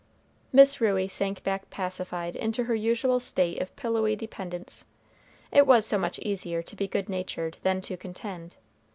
Miss Ruey sank back pacified into her usual state of pillowy dependence; it was so much easier to be good natured than to contend.